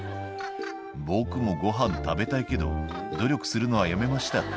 「僕もごはん食べたいけど努力するのはやめました」